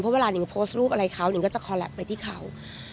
เพราะผ่านลูกอะไรเขานึงต้องทำตัวเขา